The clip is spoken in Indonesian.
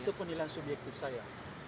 itu penilaian subyektif saya